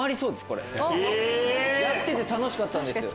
やってて楽しかったんですよ。